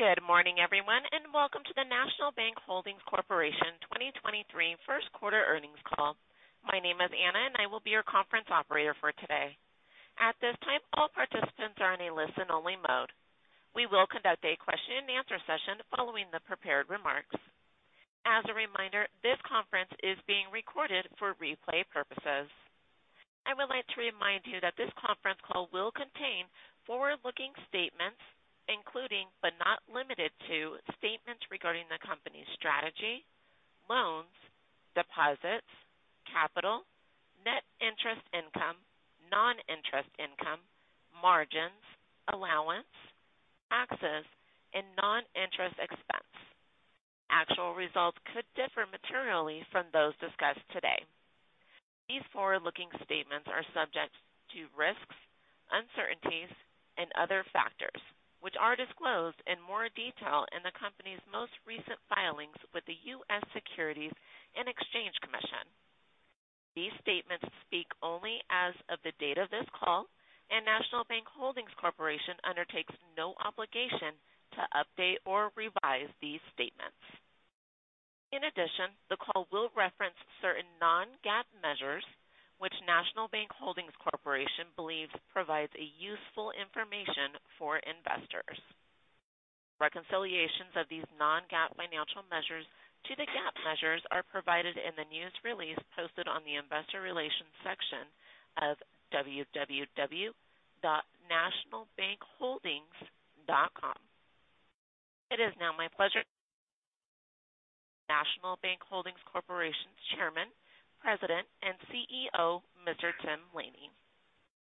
Good morning, everyone, and welcome to the National Bank Holdings Corporation 2023 First Quarter Earnings Call. My name is Anna and I will be your conference operator for today. At this time, all participants are in a listen-only mode. We will conduct a question and answer session following the prepared remarks. As a reminder, this conference is being recorded for replay purposes. I would like to remind you that this conference call will contain forward-looking statements, including, but not limited to, statements regarding the company's strategy, loans, deposits, capital, net interest income, non-interest income, margins, allowance, taxes, and non-interest expense. Actual results could differ materially from those discussed today. These forward-looking statements are subject to risks, uncertainties, and other factors, which are disclosed in more detail in the company's most recent filings with the U.S. Securities and Exchange Commission. These statements speak only as of the date of this call, and National Bank Holdings Corporation undertakes no obligation to update or revise these statements. In addition, the call will reference certain non-GAAP measures, which National Bank Holdings Corporation believes provides a useful information for investors. Reconciliations of these non-GAAP financial measures to the GAAP measures are provided in the news release posted on the investor relations section of www.nationalbankholdings.com. It is now my pleasure National Bank Holdings Corporation's Chairman, President, and CEO, Mr. Tim Laney.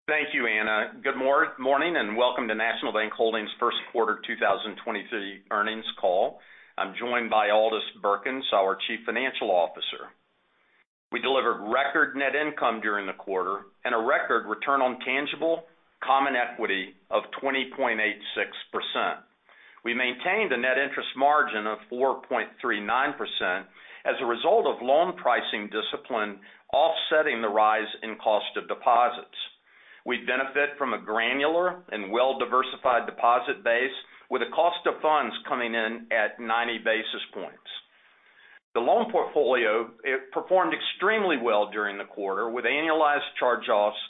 Thank you, Anna. Good morning and welcome to National Bank Holdings First Quarter 2023 Earnings Call. I'm joined by Aldis Birkans, our Chief Financial Officer. We delivered record net income during the quarter and a record return on tangible common equity of 20.86%. We maintained a net interest margin of 4.39% as a result of loan pricing discipline offsetting the rise in cost of deposits. We benefit from a granular and well-diversified deposit base with a cost of funds coming in at 90 basis points. The loan portfolio, it performed extremely well during the quarter, with annualized charge-offs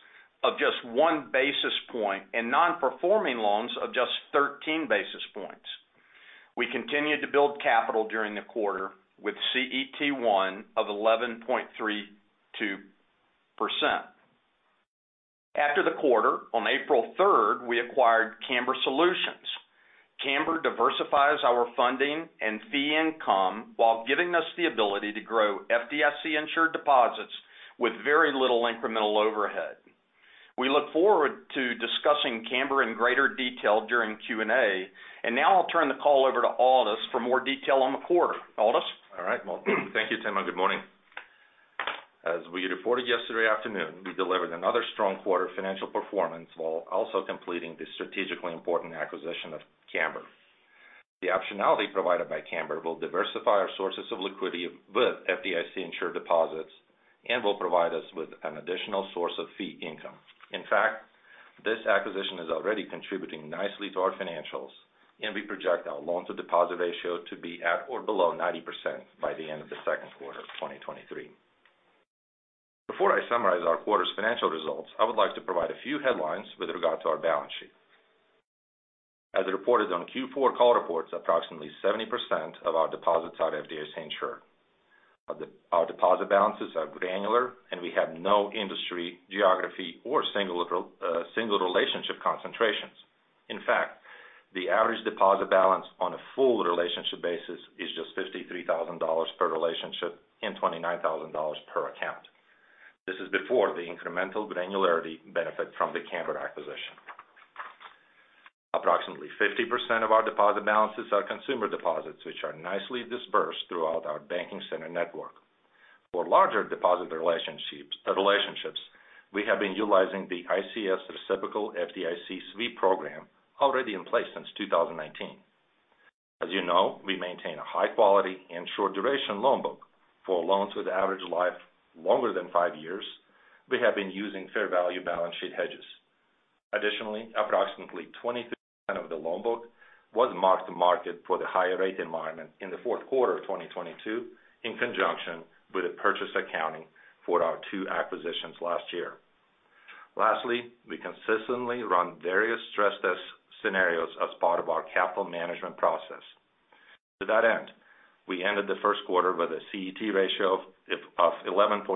of just 1 basis point and non-performing loans of just 13 basis points. We continued to build capital during the quarter with CET1 of 11.32%. After the quarter, on April 3rd, we acquired Cambr Solutions. Cambr diversifies our funding and fee income while giving us the ability to grow FDIC-insured deposits with very little incremental overhead. We look forward to discussing Cambr in greater detail during Q&A. Now I'll turn the call over to Aldis for more detail on the quarter. Aldis? All right. Well, thank you, Tim. Good morning. As we reported yesterday afternoon, we delivered another strong quarter financial performance while also completing the strategically important acquisition of Cambr. The optionality provided by Cambr will diversify our sources of liquidity with FDIC-insured deposits and will provide us with an additional source of fee income. In fact, this acquisition is already contributing nicely to our financials. We project our loan-to-deposit ratio to be at or below 90% by the end of the second quarter of 2023. Before I summarize our quarter's financial results, I would like to provide a few headlines with regard to our balance sheet. As reported on Q4 call reports, approximately 70% of our deposits are FDIC-insured. Our deposit balances are granular. We have no industry, geography or single relationship concentrations. The average deposit balance on a full relationship basis is just $53,000 per relationship and $29,000 per account. This is before the incremental granularity benefit from the Cambr acquisition. Approximately 50% of our deposit balances are consumer deposits, which are nicely dispersed throughout our banking center network. For larger deposit relationships, we have been utilizing the ICS Reciprocal FDIC Sweep program already in place since 2019. As you know, we maintain a high quality and short duration loan book. For loans with average life longer than five years, we have been using fair value balance sheet hedges. Approximately 23% of the loan book was marked to market for the higher rate environment in the fourth quarter of 2022, in conjunction with the purchase accounting for our two acquisitions last year. Lastly, we consistently run various stress test scenarios as part of our capital management process. To that end, we ended the first quarter with a CET ratio of 11.3%,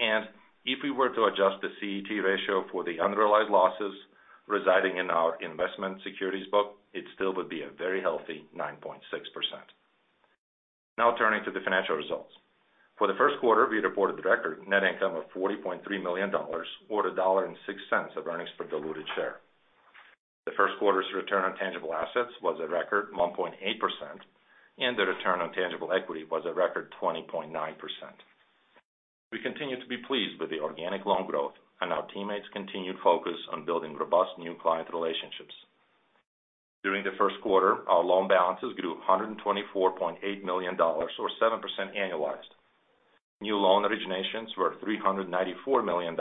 and if we were to adjust the CET ratio for the unrealized losses residing in our investment securities book, it still would be a very healthy 9.6%. Turning to the financial results. For the first quarter, we reported a record net income of $40.3 million or $1.06 of earnings per diluted share. The first quarter's return on tangible assets was a record 1.8%, and the return on tangible equity was a record 20.9%. We continue to be pleased with the organic loan growth and our teammates' continued focus on building robust new client relationships. During the first quarter, our loan balances grew to $124.8 million or 7% annualized. New loan originations were $394 million.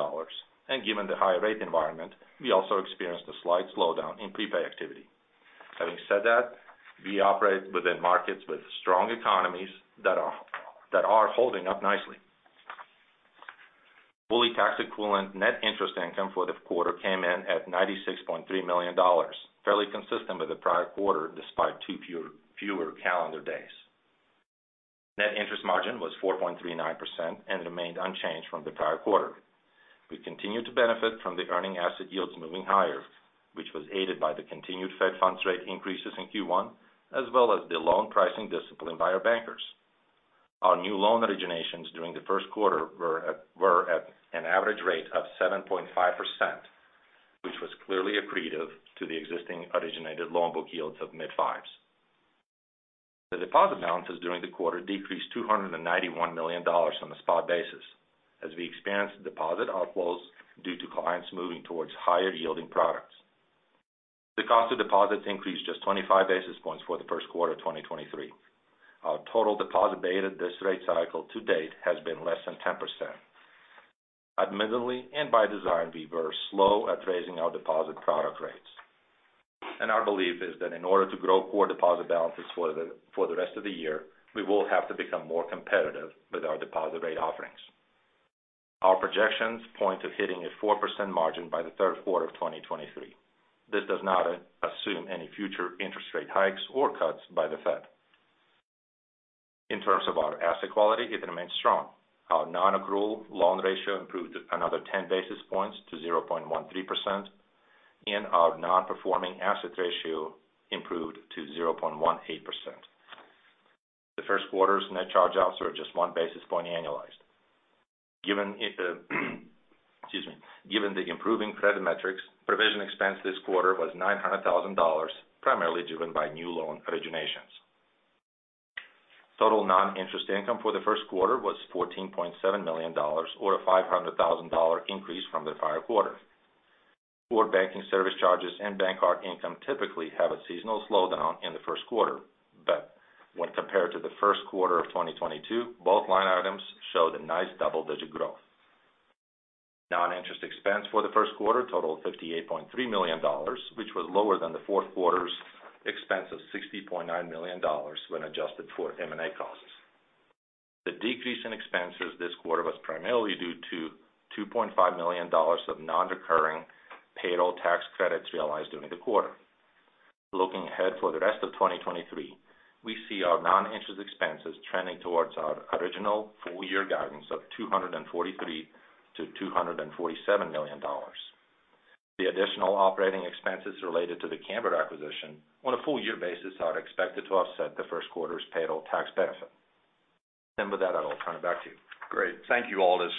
Given the higher rate environment, we also experienced a slight slowdown in prepay activity. Having said that, we operate within markets with strong economies that are holding up nicely. Fully tax-equivalent net interest income for the quarter came in at $96.3 million, fairly consistent with the prior quarter despite two fewer calendar days. Net interest margin was 4.39% and remained unchanged from the prior quarter. We continue to benefit from the earning asset yields moving higher, which was aided by the continued Fed funds rate increases in Q1, as well as the loan pricing discipline by our bankers. Our new loan originations during the first quarter were at an average rate of 7.5%, which was clearly accretive to the existing originated loan book yields of mid-fives. The deposit balances during the quarter decreased $291 million on a spot basis, as we experienced deposit outflows due to clients moving towards higher-yielding products. The cost of deposits increased just 25 basis points for the first quarter of 2023. Our total deposit beta this rate cycle to date has been less than 10%. Admittedly, by design, we were slow at raising our deposit product rates. Our belief is that in order to grow core deposit balances for the rest of the year, we will have to become more competitive with our deposit rate offerings. Our projections point to hitting a 4% margin by the third quarter of 2023. This does not assume any future interest rate hikes or cuts by the Fed. In terms of our asset quality, it remains strong. Our nonaccrual loan ratio improved another 10 basis points to 0.13%, and our non-performing asset ratio improved to 0.18%. The first quarter's net charge-offs were just 1 basis point annualized. Given the improving credit metrics, provision expense this quarter was $900,000, primarily driven by new loan originations. Total non-interest income for the first quarter was $14.7 million or a $500,000 increase from the prior quarter. Core banking service charges and Bancard income typically have a seasonal slowdown in the first quarter. When compared to the first quarter of 2022, both line items showed a nice double-digit growth. Non-interest expense for the first quarter totaled $58.3 million, which was lower than the fourth quarter's expense of $60.9 million when adjusted for M&A costs. The decrease in expenses this quarter was primarily due to $2.5 million of non-recurring payroll tax credits realized during the quarter. Looking ahead for the rest of 2023, we see our non-interest expenses trending towards our original full-year guidance of $243 million-$247 million. The additional operating expenses related to the Cambr acquisition on a full year basis are expected to offset the first quarter's payroll tax benefit. With that, I'll turn it back to you. Great. Thank you, Aldis.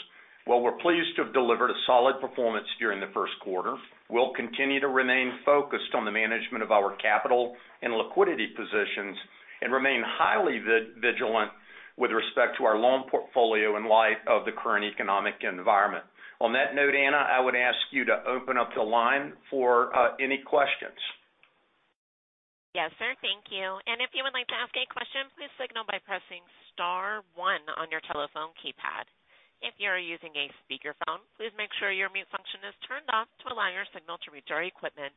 Well, we're pleased to have delivered a solid performance during the first quarter. We'll continue to remain focused on the management of our capital and liquidity positions and remain highly vigilant with respect to our loan portfolio in light of the current economic environment. On that note, Anna, I would ask you to open up the line for any questions. Yes, sir. Thank you. If you would like to ask a question, please signal by pressing star one on your telephone keypad. If you are using a speakerphone, please make sure your mute function is turned off to allow your signal to reach our equipment.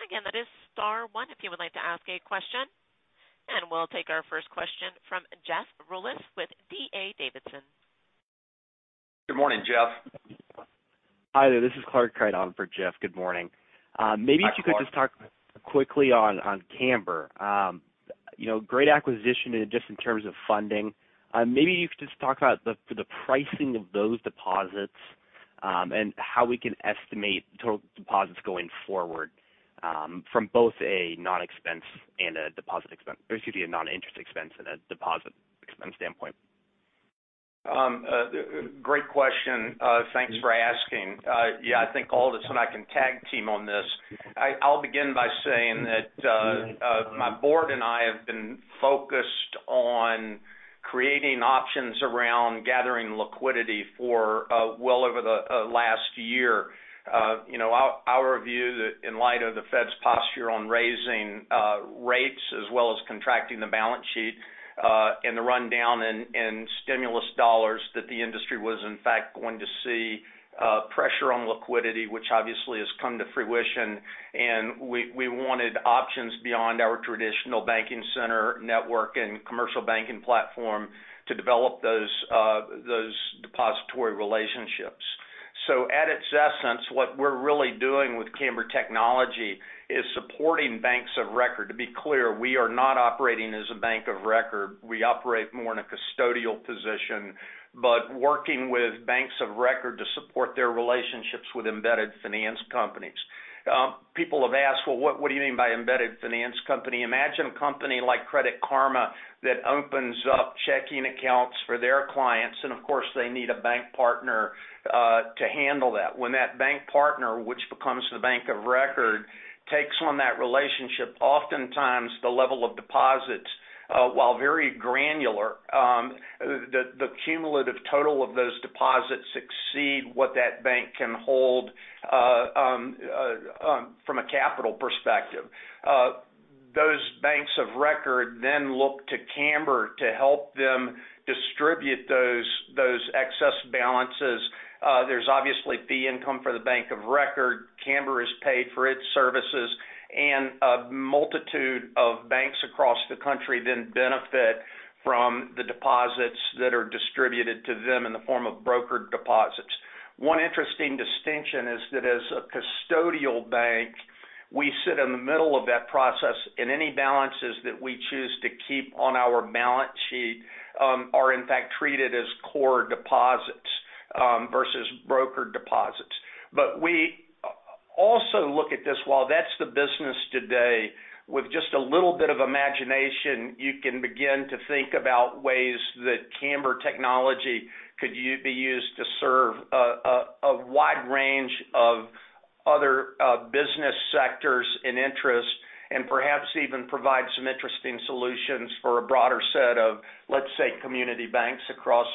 Again, that is star one if you would like to ask a question. We'll take our first question from Jeff Rulis with D.A. Davidson. Good morning, Jeff. Hi there. This is Clark Wright for Jeff. Good morning. Hi, Clark. Maybe if you could just talk quickly on Cambr. You know, great acquisition just in terms of funding. Maybe you could just talk about the pricing of those deposits, and how we can estimate total deposits going forward, from both a non-interest expense and a deposit expense standpoint. Great question. Thanks for asking. Yeah, I think Aldis and I can tag team on this. I'll begin by saying that my board and I have been focused on creating options around gathering liquidity for well over the last year. You know, our view that in light of the Fed's posture on raising rates as well as contracting the balance sheet, and the rundown in stimulus dollars that the industry was in fact going to see pressure on liquidity, which obviously has come to fruition. We wanted options beyond our traditional banking center network and commercial banking platform to develop those depository relationships. At its essence, what we're really doing with Cambr technology is supporting banks of record. To be clear, we are not operating as a bank of record. We operate more in a custodial position, but working with banks of record to support their relationships with embedded finance companies. People have asked, "Well, what do you mean by embedded finance company?" Imagine a company like Credit Karma that opens up checking accounts for their clients, and of course, they need a bank partner to handle that. When that bank partner, which becomes the bank of record, takes on that relationship, oftentimes the level of deposits, while very granular, the cumulative total of those deposits exceed what that bank can hold from a capital perspective. Those banks of record then look to Cambr to help them distribute those excess balances. There's obviously fee income for the bank of record. Cambr is paid for its services, a multitude of banks across the country then benefit from the deposits that are distributed to them in the form of brokered deposits. One interesting distinction is that as a custodial bank, we sit in the middle of that process, and any balances that we choose to keep on our balance sheet are in fact treated as core deposits versus brokered deposits. We also look at this, while that's the business today, with just a little bit of imagination, you can begin to think about ways that Cambr technology could be used to serve a wide range of other business sectors and interests, and perhaps even provide some interesting solutions for a broader set of, let's say, community banks across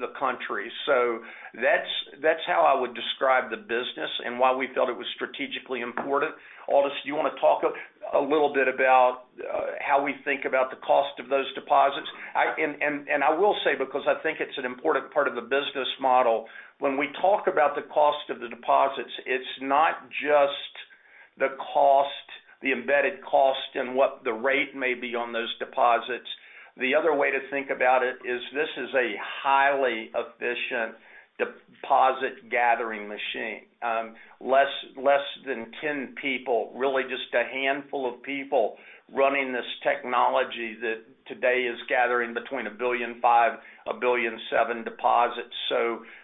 the country. That's how I would describe the business and why we felt it was strategically important. Aldis, do you want to talk a little bit about how we think about the cost of those deposits? And I will say, because I think it's an important part of the business model. When we talk about the cost of the deposits, it's not just the cost, the embedded cost and what the rate may be on those deposits. The other way to think about it is this is a highly efficient deposit gathering machine. Less than 10 people, really just a handful of people running this technology that today is gathering between $1.5 billion-$1.7 billion deposits.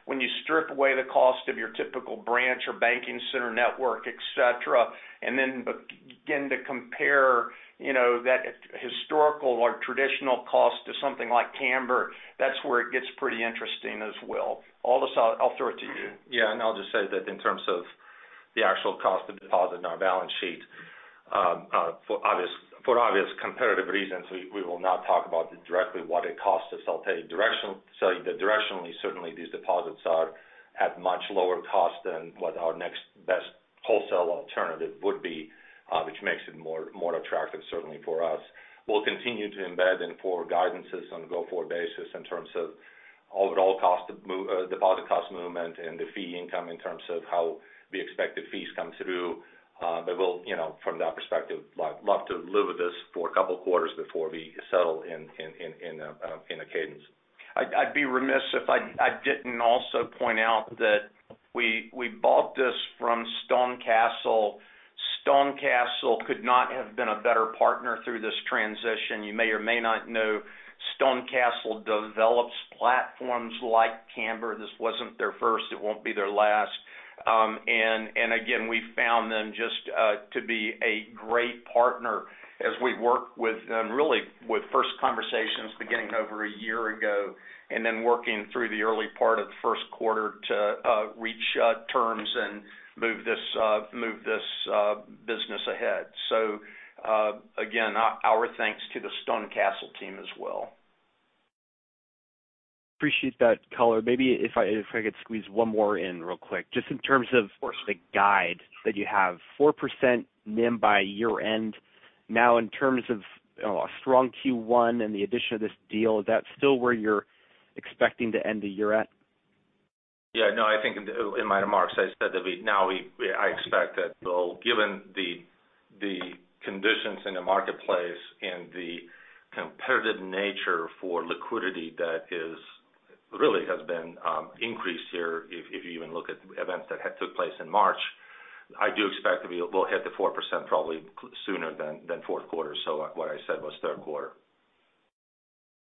When you strip away the cost of your typical branch or banking center network, et cetera, and then begin to compare, you know, that historical or traditional cost to something like Cambr, that's where it gets pretty interesting as well. Aldis, I'll throw it to you. I'll just say that in terms of the actual cost of deposit on our balance sheet, for obvious competitive reasons, we will not talk about directly what it costs us. I'll tell you, say that directionally, certainly these deposits are at much lower cost than what our next best wholesale alternative would be, which makes it more attractive, certainly for us. We'll continue to embed in for guidances on a go-forward basis in terms of overall cost of deposit cost movement and the fee income in terms of how we expect the fees come through. We'll, you know, from that perspective, like, love to live with this for a couple of quarters before we settle in a cadence. I'd be remiss if I didn't also point out that we bought this from StoneCastle. StoneCastle could not have been a better partner through this transition. You may or may not know StoneCastle develops platforms like Cambr. This wasn't their first. It won't be their last. Again, we found them just to be a great partner as we work with really with first conversations beginning over a year ago and then working through the early part of the first quarter to reach terms and move this business ahead. Again, our thanks to the StoneCastle team as well. Appreciate that color. Maybe if I could squeeze one more in real quick. Just in terms of. Of course. The guide that you have 4% NIM by year-end. In terms of a strong Q1 and the addition of this deal, is that still where you're expecting to end the year at? Yeah, no, I think in my remarks, I said that we now we I expect that they'll given the conditions in the marketplace and the competitive nature for liquidity that is really has been increased here, if you even look at events that had took place in March, I do expect that we will hit the 4% probably sooner than fourth quarter. What I said was third quarter.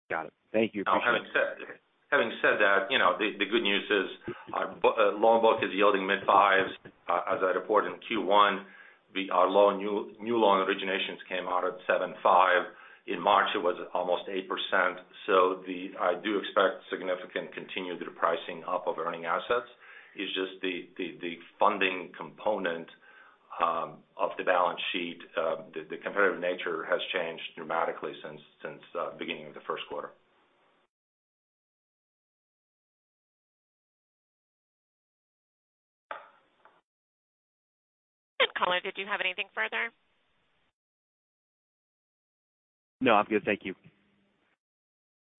Got it. Thank you. Appreciate it. Having said that, you know, the good news is our loan book is yielding mid-fives. As I reported in Q1, our new loan originations came out at 7.5%. In March, it was almost 8%. I do expect significant continued repricing up of earning assets. It's just the funding component of the balance sheet, the competitive nature has changed dramatically since the beginning of the first quarter. Good. Caller, did you have anything further? No, I'm good. Thank you.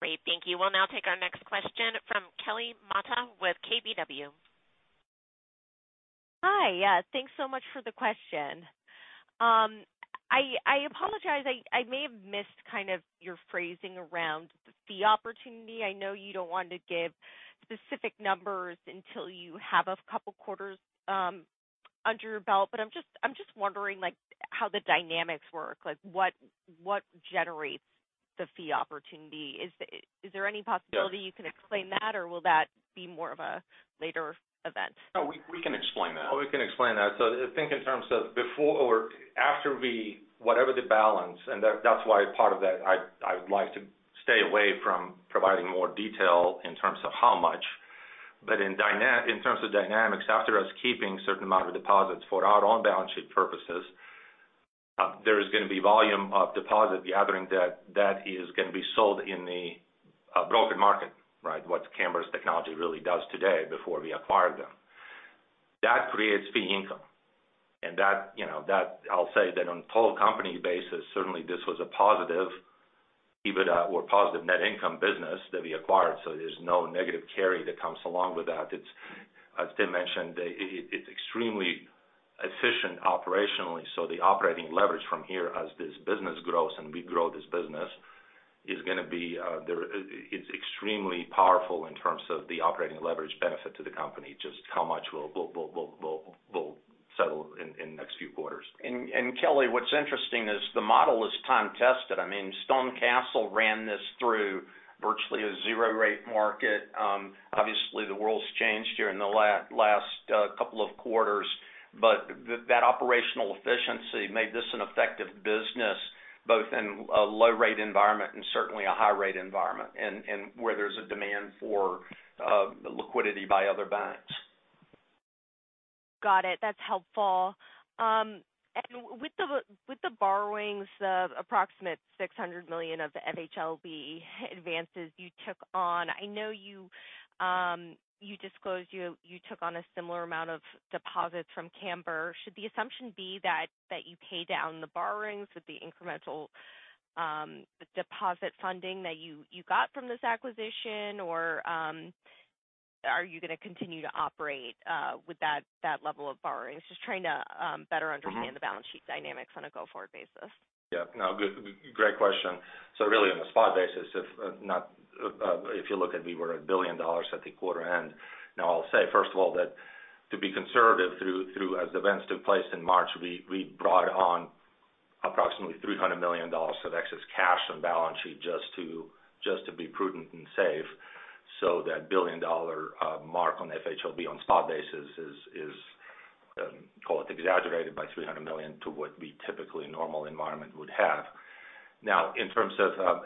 Great. Thank you. We'll now take our next question from Kelly Motta with KBW. Hi. Yeah. Thanks so much for the question. I apologize, I may have missed kind of your phrasing around the fee opportunity. I know you don't want to give specific numbers until you have a couple quarters under your belt, but I'm just wondering, like, how the dynamics work. Like, what generates the fee opportunity? Is there any possibility? Yeah. You can explain that, or will that be more of a later event? No, we can explain that. We can explain that. I think in terms of before or after whatever the balance, that's why part of that I would like to stay away from providing more detail in terms of how much. In terms of dynamics, after us keeping certain amount of deposits for our own balance sheet purposes, there is gonna be volume of deposit gathering that is gonna be sold in the broker market, right? What Cambr's technology really does today before we acquired them. That creates fee income. That, you know, I'll say that on total company basis, certainly this was a positive EBITDA or positive net income business that we acquired, so there's no negative carry that comes along with that. It's, as Tim mentioned, it's extremely efficient operationally. The operating leverage from here as this business grows and we grow this business is gonna be there. It's extremely powerful in terms of the operating leverage benefit to the company. Just how much we'll settle in the next few quarters. Kelly, what's interesting is the model is time-tested. I mean, StoneCastle ran this through virtually a zero rate market. Obviously the world's changed here in the last couple of quarters, but that operational efficiency made this an effective business, both in a low rate environment and certainly a high rate environment and where there's a demand for the liquidity by other banks. Got it. That's helpful. With the borrowings of approximate $600 million of FHLB advances you took on, I know you disclosed you took on a similar amount of deposits from Cambr. Should the assumption be that you pay down the borrowings with the incremental deposit funding that you got from this acquisition? Or are you gonna continue to operate with that level of borrowings? Just trying to better understand. Mm-hmm. The balance sheet dynamics on a go-forward basis. Yeah. No, great question. Really on a spot basis, if not, if you look at we were $1 billion at the quarter end. I'll say first of all, that to be conservative through, as events took place in March, we brought on approximately $300 million of excess cash and balance sheet just to be prudent and safe. That billion dollar mark on FHLB on spot basis is, call it exaggerated by $300 million to what we typically normal environment would have. In terms of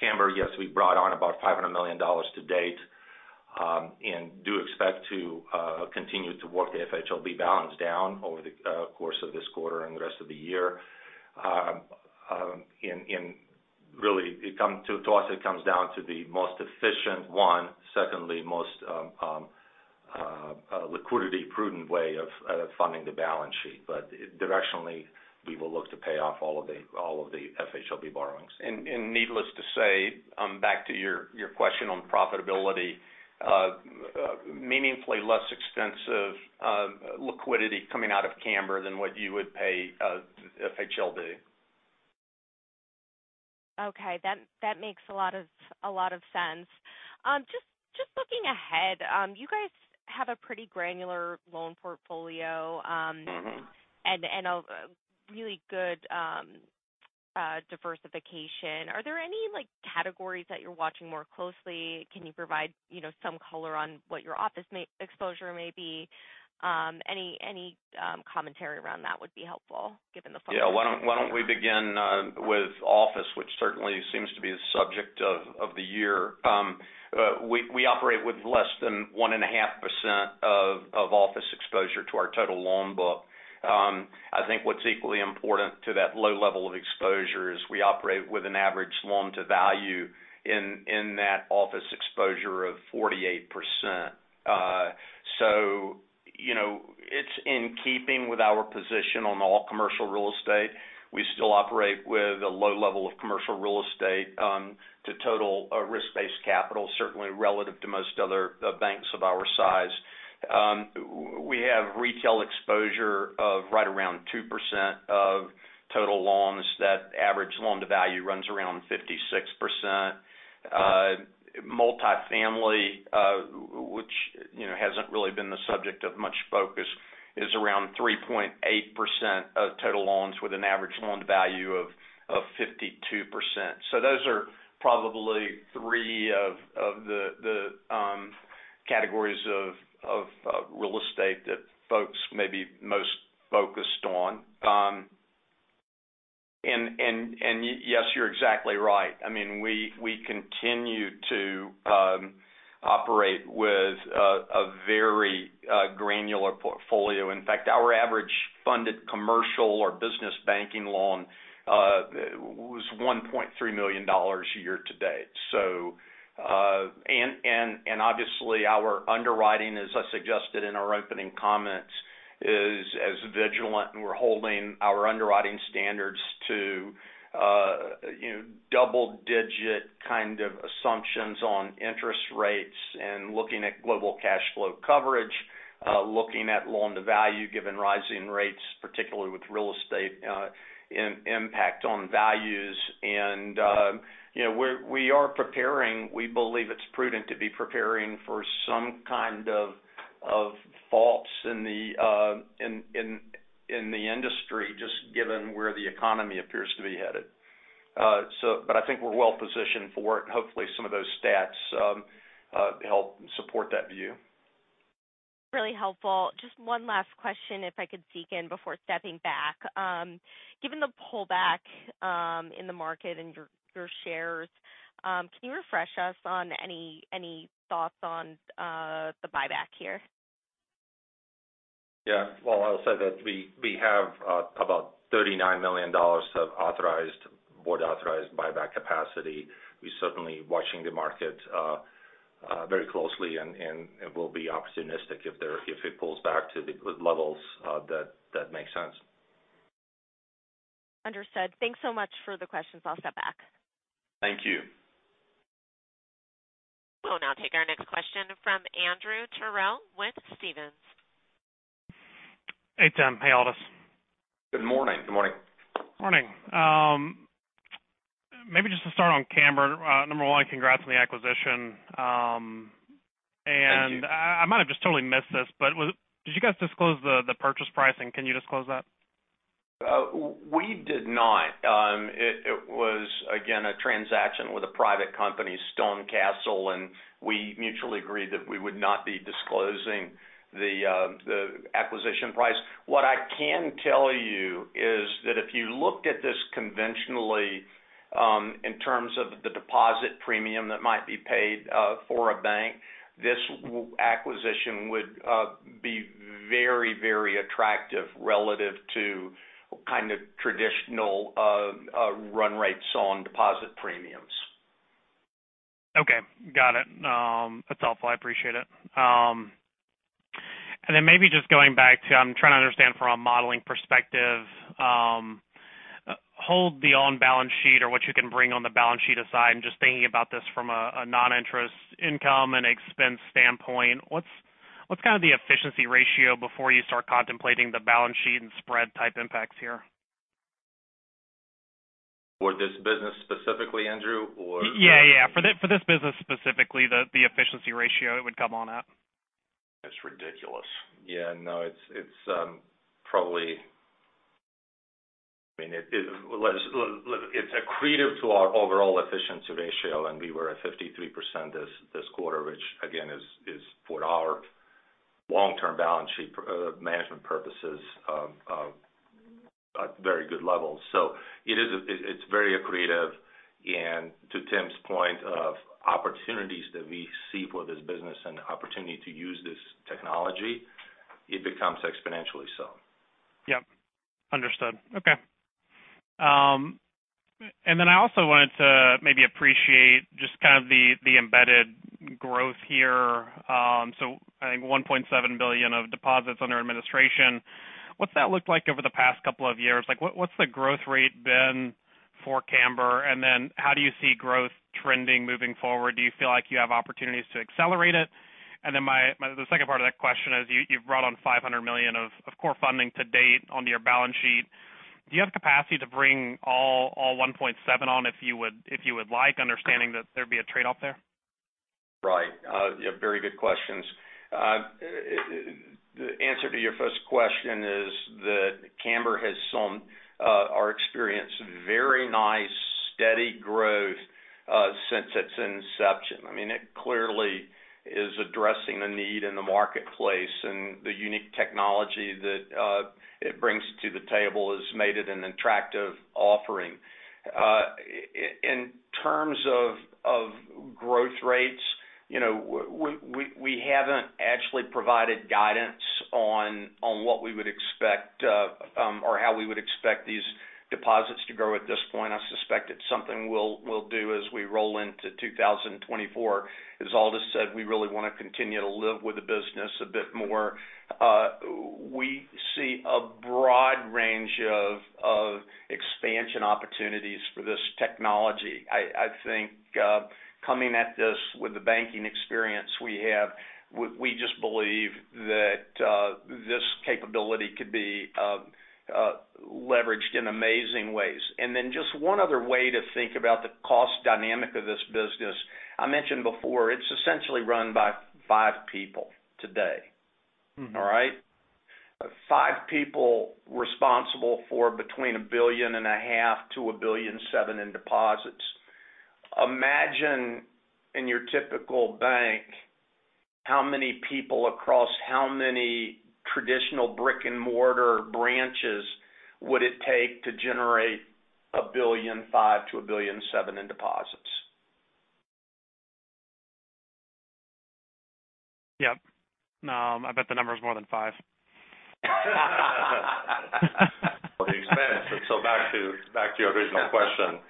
Cambr, yes, we brought on about $500 million to date, and do expect to continue to work the FHLB balance down over the course of this quarter and the rest of the year. Really to us, it comes down to the most efficient one, secondly, most liquidity prudent way of funding the balance sheet. Directionally, we will look to pay off all of the FHLB borrowings. Needless to say, back to your question on profitability, meaningfully less expensive liquidity coming out of Cambr than what you would pay FHLB. Okay. That makes a lot of sense. Just looking ahead, you guys have a pretty granular loan portfolio. Mm-hmm. A really good diversification. Are there any, like, categories that you're watching more closely? Can you provide, you know, some color on what your office exposure may be? Any commentary around that would be helpful given the funding. Yeah. Why don't we begin with office, which certainly seems to be the subject of the year? We operate with less than 1.5% of office exposure to our total loan book. I think what's equally important to that low level of exposure is we operate with an average loan to value in that office exposure of 48%. You know, it's in keeping with our position on all commercial real estate. We still operate with a low level of commercial real estate to total risk-based capital, certainly relative to most other banks of our size. We have retail exposure of right around 2% of total loans. That average loan to value runs around 56%. Multifamily, which, you know, hasn't really been the subject of much focus, is around 3.8% of total loans with an average loan to value of 52%. Those are probably three of the categories of real estate that folks may be most focused on. Yes, you're exactly right. I mean, we continue to operate with a very granular portfolio. In fact, our average funded commercial or business banking loan was $1.3 million year to date. Obviously, our underwriting, as I suggested in our opening comments, is as vigilant, and we're holding our underwriting standards to, you know, double-digit kind of assumptions on interest rates and looking at global cash flow coverage, looking at loan to value, given rising rates, particularly with real estate impact on values. You know, we are preparing. We believe it's prudent to be preparing for some kind of faults in the industry, just given where the economy appears to be headed. But I think we're well positioned for it. Hopefully, some of those stats help support that view. Really helpful. Just one last question, if I could seek in before stepping back. Given the pullback in the market and your shares, can you refresh us on any thoughts on the buyback here? Yeah. Well, I'll say that we have about $39 million board authorized buyback capacity. We're certainly watching the market very closely and we'll be opportunistic if it pulls back to the good levels that makes sense. Understood. Thanks so much for the questions. I'll step back. Thank you. We'll now take our next question from Andrew Terrell with Stephens. Hey, Tim. Hey, Aldis. Good morning. Good morning. Morning. Maybe just to start on Cambr. Number one, congrats on the acquisition. Thank you. I might have just totally missed this, but was it did you guys disclose the purchase price, and can you disclose that? We did not. It was, again, a transaction with a private company, StoneCastle. We mutually agreed that we would not be disclosing the acquisition price. What I can tell you is that if you looked at this conventionally, in terms of the deposit premium that might be paid for a bank, this acquisition would be very attractive relative to kind of traditional run rates on deposit premiums. Okay. Got it. That's helpful. I appreciate it. Then maybe just going back to, I'm trying to understand from a modeling perspective. Hold the on-balance sheet or what you can bring on the balance sheet aside, and just thinking about this from a non-interest income and expense standpoint, what's kind of the efficiency ratio before you start contemplating the balance sheet and spread type impacts here? For this business specifically, Andrew? Yeah, yeah. For this business specifically, the efficiency ratio it would come on at. It's ridiculous. Yeah, no, it's probably, I mean, it's accretive to our overall efficiency ratio, and we were at 53% this quarter, which again is for our long-term balance sheet, management purposes, at very good levels. It is, it's very accretive. To Tim's point of opportunities that we see for this business and the opportunity to use this technology, it becomes exponentially so. Yep. Understood. Okay. I also wanted to maybe appreciate just kind of the embedded growth here. I think $1.7 billion of deposits under administration. What's that looked like over the past couple of years? Like what's the growth rate been for Cambr? How do you see growth trending moving forward? Do you feel like you have opportunities to accelerate it? The second part of that question is, you've brought on $500 million of core funding to date onto your balance sheet. Do you have capacity to bring all $1.7 on if you would like, understanding that there'd be a trade-off there? Right. Yeah, very good questions. The answer to your first question is that Cambr has some or experienced very nice, steady growth since its inception. I mean, it clearly is addressing a need in the marketplace, and the unique technology that it brings to the table has made it an attractive offering. In terms of growth rates, you know, we haven't actually provided guidance on what we would expect or how we would expect these deposits to grow at this point. I suspect it's something we'll do as we roll into 2024. As Aldis said, we really want to continue to live with the business a bit more. We see a broad range of expansion opportunities for this technology. I think, coming at this with the banking experience we have, we just believe that, this capability could be leveraged in amazing ways. Just one other way to think about the cost dynamic of this business, I mentioned before, it's essentially run by five people today. Mm-hmm. All right? Five people responsible for between $1.5 billion-$1.7 billion in deposits. Imagine in your typical bank, how many people across how many traditional brick-and-mortar branches would it take to generate $1.5 billion-$1.7 billion in deposits? Yep. No, I bet the number is more than five. For the expense. Back to your original question,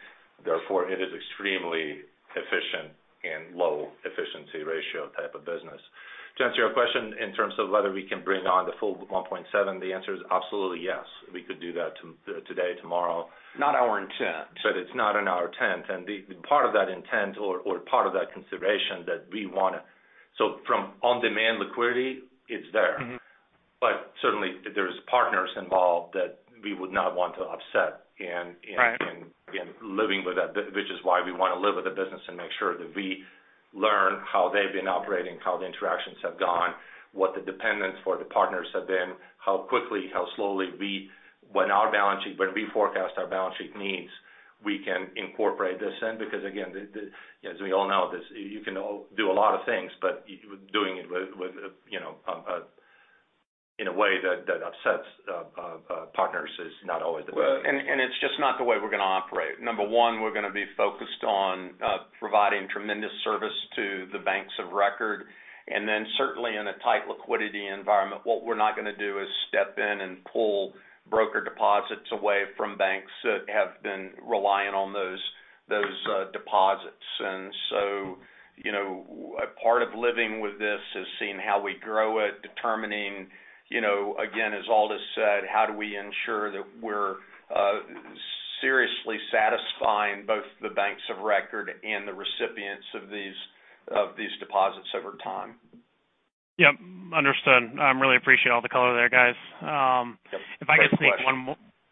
therefore, it is extremely efficient and low efficiency ratio type of business. To answer your question in terms of whether we can bring on the full 1.7, the answer is absolutely yes. We could do that today, tomorrow. Not our intent. It's not in our intent. The part of that intent or part of that consideration. From on-demand liquidity, it's there. Mm-hmm. Certainly, there's partners involved that we would not want to upset. Right. Again, living with that, which is why we wanna live with the business and make sure that we learn how they've been operating, how the interactions have gone, what the dependents for the partners have been, how quickly, how slowly when we forecast our balance sheet needs, we can incorporate this in. Because again, the as we all know this, you can do a lot of things, but doing it with, you know, in a way that upsets partners is not always the best. Well, it's just not the way we're gonna operate. Number one, we're gonna be focused on providing tremendous service to the banks of record. Certainly in a tight liquidity environment, what we're not gonna do is step in and pull broker deposits away from banks that have been relying on those deposits. You know, a part of living with this is seeing how we grow it, determining, you know, again, as Aldis said, how do we ensure that we're seriously satisfying both the banks of record and the recipients of these deposits over time. Yep, understood. I really appreciate all the color there, guys. Yep. Great question. If I could sneak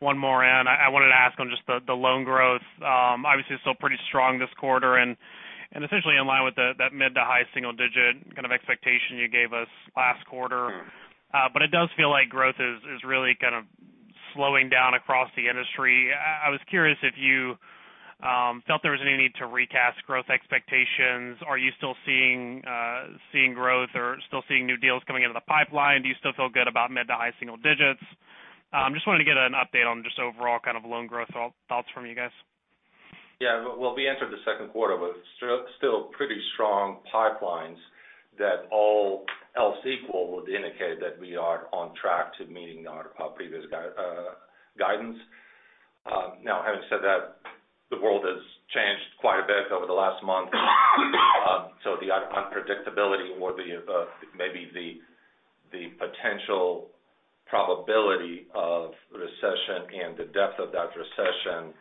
one more in. I wanted to ask on just the loan growth. Obviously it's still pretty strong this quarter and essentially in line with that mid to high single digit kind of expectation you gave us last quarter. Mm. It does feel like growth is really kind of slowing down across the industry. I was curious if you felt there was any need to recast growth expectations. Are you still seeing growth or still seeing new deals coming into the pipeline? Do you still feel good about mid to high single digits? Just wanted to get an update on just overall kind of loan growth thoughts from you guys. Yeah. Well, we entered the second quarter with still pretty strong pipelines that all else equal would indicate that we are on track to meeting our previous guidance. Having said that, the world has changed quite a bit over the last month. The unpredictability or the, maybe the potential probability of recession and the depth of that recession,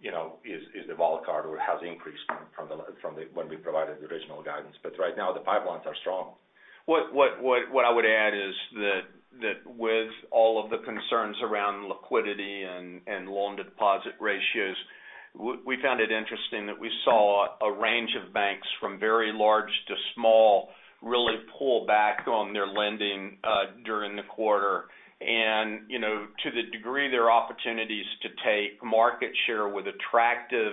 you know, is the wild card or has increased from the when we provided the original guidance. Right now the pipelines are strong. What I would add is that with all of the concerns around liquidity and loan to deposit ratios, we found it interesting that we saw a range of banks from very large to small really pull back on their lending during the quarter. You know, to the degree there are opportunities to take market share with attractive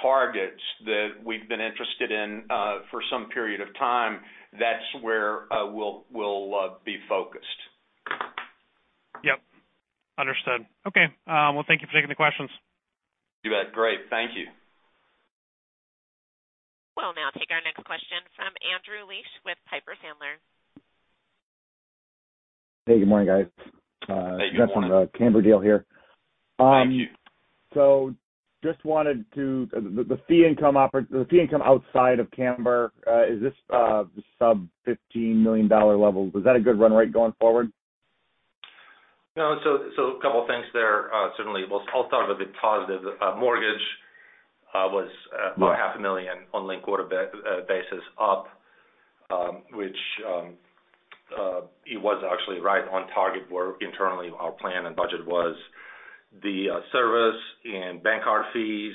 targets that we've been interested in for some period of time, that's where we'll be focused. Yep. Understood. Okay. Well, thank you for taking the questions. You bet. Great. Thank you. We'll now take our next question from Andrew Liesch with Piper Sandler. Hey, good morning, guys. Hey, good morning. Just on the Cambr deal here. just wanted to the fee income outside of Cambr, is this, sub-$15 million level, is that a good run rate going forward? No. A couple things there. Certainly, I'll start with the positive. Mortgage was about $500,000 on linked quarter basis up, which it was actually right on target where internally our plan and budget was. The service and bank card fees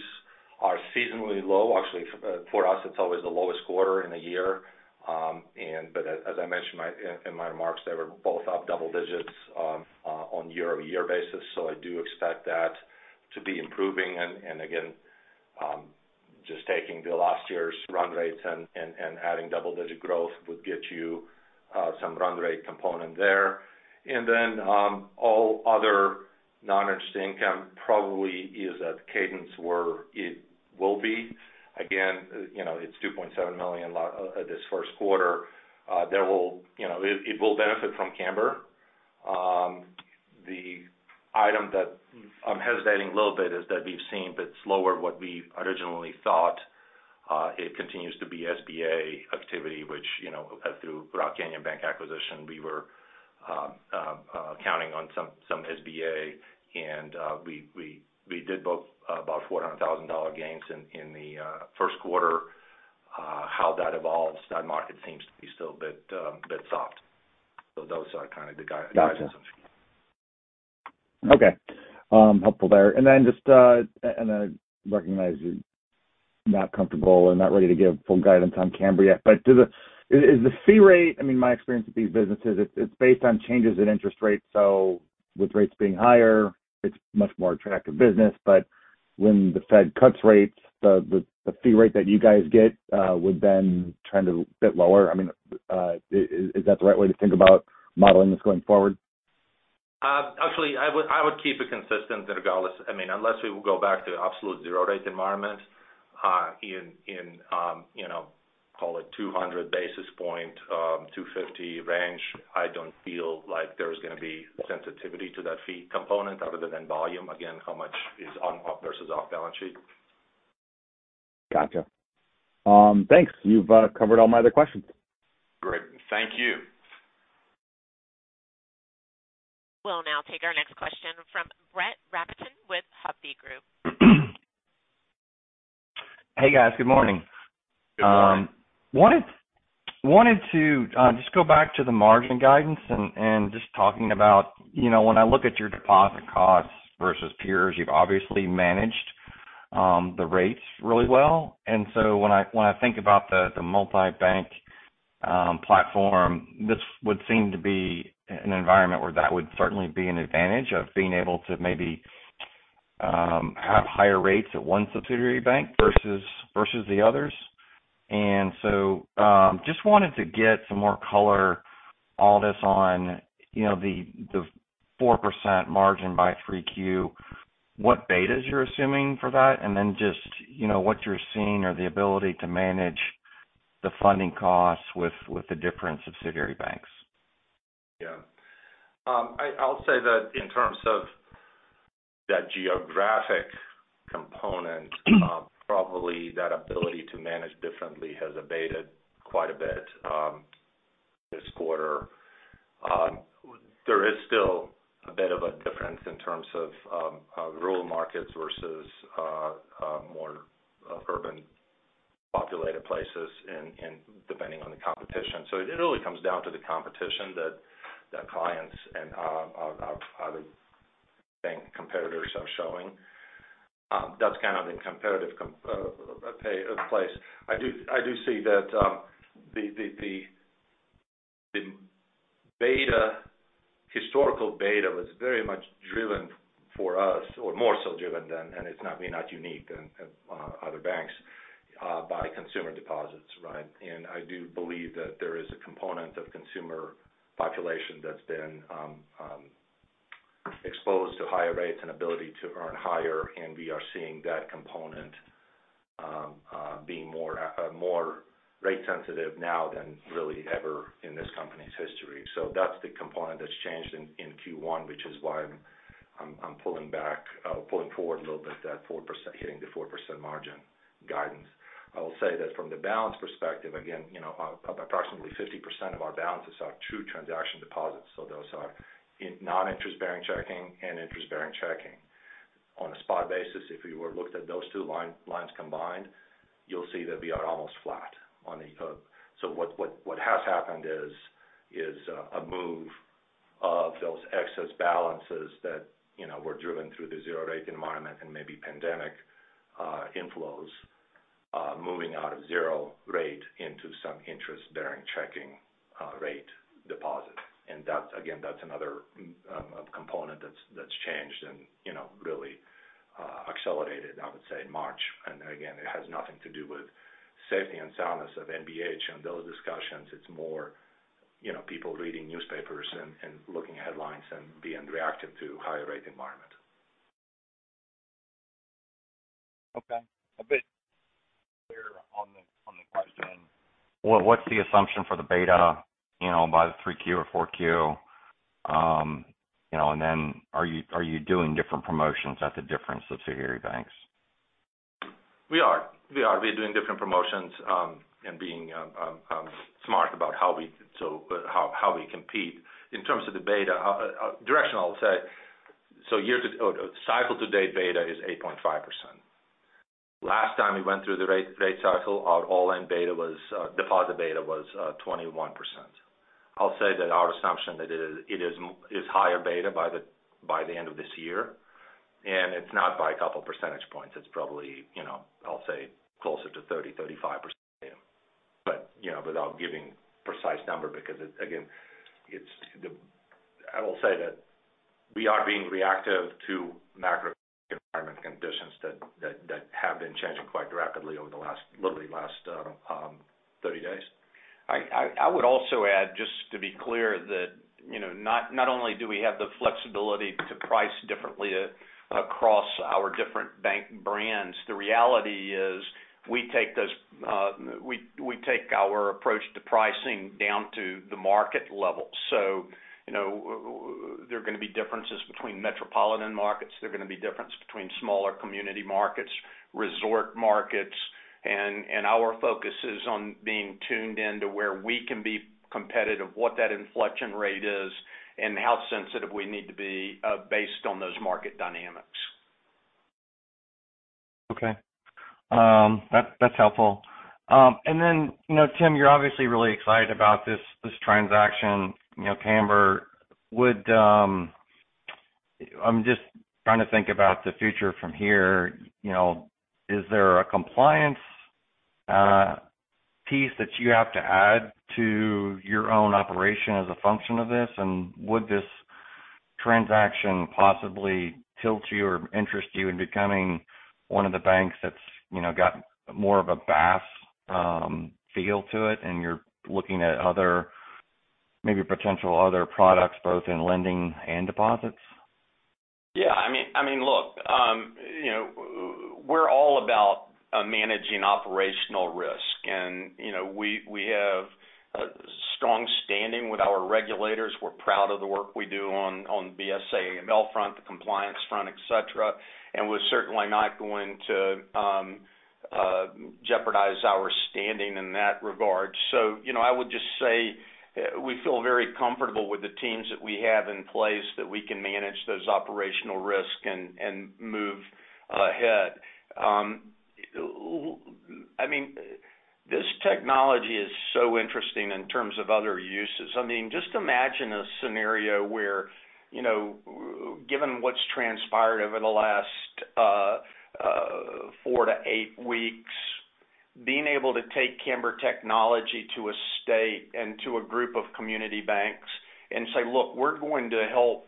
are seasonally low. Actually, for us, it's always the lowest quarter in a year. As I mentioned in my remarks, they were both up double digits on year-over-year basis. I do expect that to be improving. Again, just taking the last year's run rates and adding double-digit growth would get you some run rate component there. All other non-interest income probably is at cadence where it will be. Again, you know, it's $2.7 million this first quarter. It will benefit from Cambr. The item that I'm hesitating a little bit is that we've seen it's slower what we originally thought. It continues to be SBA activity, which, you know, through Rock Canyon Bank acquisition, we were counting on some SBA and we did both about $400,000 gains in the first quarter. How that evolves, that market seems to be still a bit soft. Those are kind of the guidance. Gotcha. Okay. helpful there. Then just, and I recognize you're not comfortable and not ready to give full guidance on Cambr yet, is the fee rate. I mean, my experience with these businesses, it's based on changes in interest rates. With rates being higher, it's much more attractive business. When the Fed cuts rates, the fee rate that you guys get would then trend a bit lower. I mean, is that the right way to think about modeling this going forward? Actually, I would keep it consistent regardless. I mean, unless we go back to absolute zero rate environment, in, you know, call it 200 basis point, 250 range, I don't feel like there's gonna be sensitivity to that fee component other than volume. Again, how much is on versus off balance sheet. Gotcha. thanks. You've covered all my other questions. Great. Thank you. We'll now take our next question from Brett Rabatin with Hovde Group. Hey, guys. Good morning. Good morning. Wanted to just go back to the margin guidance and just talking about, you know, when I look at your deposit costs versus peers, you've obviously managed the rates really well. When I think about the multi-bank platform, this would seem to be an environment where that would certainly be an advantage of being able to maybe have higher rates at one subsidiary bank versus the others. Just wanted to get some more color, Aldis, on, you know, the 4% margin by 3Q. What betas you're assuming for that, and then just, you know, what you're seeing or the ability to manage the funding costs with the different subsidiary banks. Yeah. I'll say that in terms of that geographic component- Mm-hmm. Probably that ability to manage differently has abated quite a bit this quarter. There is still a bit of a difference in terms of rural markets versus more urban populated places and depending on the competition. It really comes down to the competition that clients and other bank competitors are showing. That's kind of the competitive play place. I do see that the beta, historical beta was very much driven for us or more so driven than, and it's not being unique than other banks, by consumer deposits, right? I do believe that there is a component of consumer population that's been exposed to higher rates and ability to earn higher, and we are seeing that component being more rate sensitive now than really ever in this company's history. That's the component that's changed in Q1, which is why I'm pulling back, pulling forward a little bit that 4%, hitting the 4% margin guidance. I will say that from the balance perspective, again, you know, approximately 50% of our balances are true transaction deposits. Those are in non-interest-bearing checking and interest-bearing checking. On a spot basis, if you were looked at those two lines combined, you'll see that we are almost flat on the...What has happened is a move of those excess balances that, you know, were driven through the zero-rate environment and maybe pandemic inflows, moving out of zero-rate into some interest-bearing checking rate deposit. That, again, that's another component that's changed and, you know, really accelerated, I would say in March. Again, it has nothing to do with safety and soundness of NBH and those discussions. It's more, you know, people reading newspapers and looking at headlines and being reactive to higher-rate environment. Okay. A bit clear on the, on the question. What's the assumption for the beta, you know, by the 3Q or 4Q? You know, then are you doing different promotions at the different subsidiary banks? We are. We're doing different promotions, and being smart about how we compete. In terms of the beta directional, I'll say year-to-date or cycle-to-date beta is 8.5%. Last time we went through the rate cycle, our all-in beta was deposit beta was 21%. I'll say that our assumption that it is higher beta by the end of this year. It's not by a couple percentage points. It's probably, you know, I'll say closer to 30%-35%. You know, without giving precise number because it, again, I will say that we are being reactive to macro environment conditions that have been changing quite rapidly over the last, literally last, 30 days. I would also add, just to be clear that, you know, not only do we have the flexibility to price differently across our different bank brands. The reality is we take those, we take our approach to pricing down to the market level. You know, there are gonna be differences between metropolitan markets. There are gonna be difference between smaller community markets, resort markets. Our focus is on being tuned in to where we can be competitive, what that inflection rate is, and how sensitive we need to be based on those market dynamics. Okay. That, that's helpful. You know, Tim, you're obviously really excited about this transaction, you know, Cambr. I'm just trying to think about the future from here. You know, is there a compliance piece that you have to add to your own operation as a function of this? Would this transaction possibly tilt you or interest you in becoming one of the banks that's, you know, got more of a BaaS feel to it, and you're looking at other, maybe potential other products both in lending and deposits? Yeah, I mean, I mean, look, you know, we're all about managing operational risk. You know, we have a strong standing with our regulators. We're proud of the work we do on the BSA/AML front, the compliance front, et cetera. We're certainly not going to jeopardize our standing in that regard. You know, I would just say we feel very comfortable with the teams that we have in place, that we can manage those operational risk and move ahead. I mean, this technology is so interesting in terms of other uses. I mean, just imagine a scenario where, you know, given what's transpired over the last four to eight weeks, being able to take Cambr technology to a state and to a group of community banks and say, "Look, we're going to help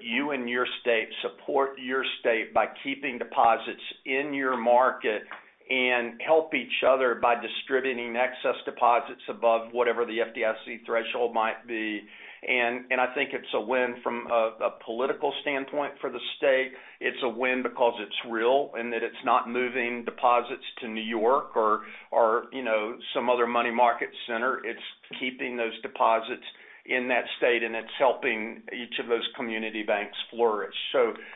you and your state, support your state by keeping deposits in your market and help each other by distributing excess deposits above whatever the FDIC threshold might be." I think it's a win from a political standpoint for the state. It's a win because it's real, and that it's not moving deposits to New York or, you know, some other money market center. It's keeping those deposits in that state, and it's helping each of those community banks flourish.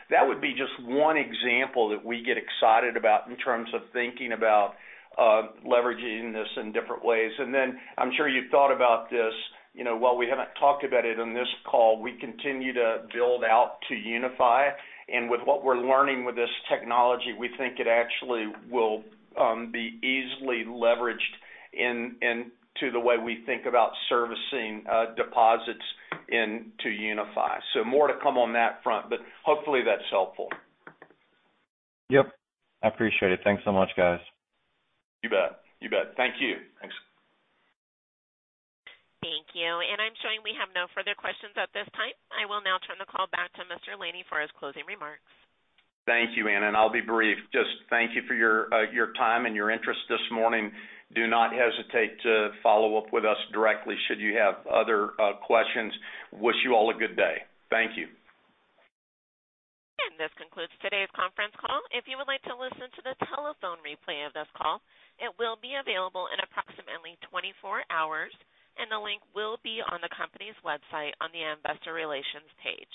That would be just one example that we get excited about in terms of thinking about leveraging this in different ways. Then I'm sure you've thought about this, you know, while we haven't talked about it on this call, we continue to build out to 2UniFi. With what we're learning with this technology, we think it actually will be easily leveraged into the way we think about servicing deposits into 2UniFi. More to come on that front, but hopefully that's helpful. Yep. I appreciate it. Thanks so much, guys. You bet. You bet. Thank you. Thanks. Thank you. And I'm showing we have no further questions at this time. I will now turn the call back to Mr. Laney for his closing remarks. Thank you, Anna. I'll be brief. Just thank you for your time and your interest this morning. Do not hesitate to follow up with us directly should you have other questions. Wish you all a good day. Thank you. This concludes today's conference call. If you would like to listen to the telephone replay of this call, it will be available in approximately 24 hours, and the link will be on the company's website on the investor relations page.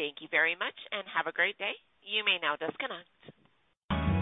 Thank you very much and have a great day. You may now disconnect.